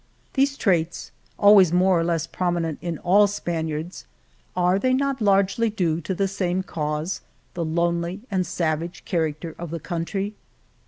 These traits, always more or less prominent in all Spaniards, are they not largely due to the same cause — the lonely and savage character of the country